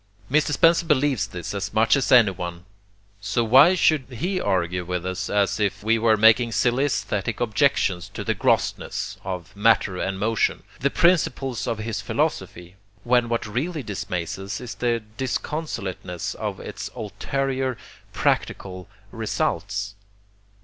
Mr. Spencer believes this as much as anyone; so why should he argue with us as if we were making silly aesthetic objections to the 'grossness' of 'matter and motion,' the principles of his philosophy, when what really dismays us is the disconsolateness of its ulterior practical results?